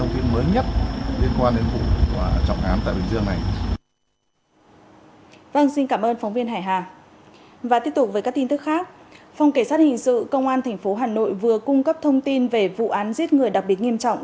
phòng cảnh sát hình sự công an tp hà nội vừa cung cấp thông tin về vụ án giết người đặc biệt nghiêm trọng